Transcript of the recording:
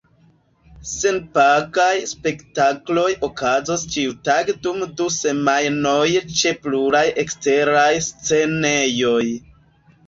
Senpagaj spektakloj okazos ĉiutage dum du semajnoj ĉe pluraj eksteraj scenejoj.